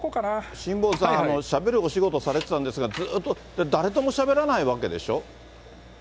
辛坊さん、しゃべるお仕事されてたんですが、ずっと誰ともしゃべらないわけでしょ。